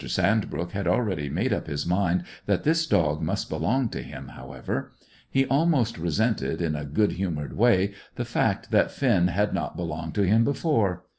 Sandbrook had already made up his mind that this dog must belong to him, however; he almost resented, in a good humoured way, the fact that Finn had not belonged to him before.